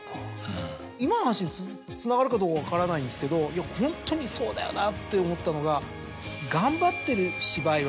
今の話につながるかどうか分からないんですけどホントにそうだよなって思ったのが。